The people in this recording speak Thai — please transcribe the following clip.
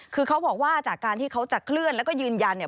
คือเขาบอกว่าจากการที่เขาจะเคลื่อนแล้วก็ยืนยันเนี่ย